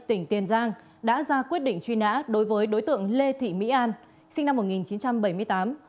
tỉnh tiền giang đã ra quyết định truy nã đối với đối tượng lê thị mỹ an sinh năm một nghìn chín trăm bảy mươi tám